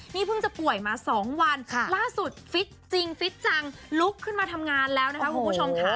นี่เพิ่งจะป่วยมา๒วันล่าสุดฟิตจริงฟิตจังลุกขึ้นมาทำงานแล้วนะคะคุณผู้ชมค่ะ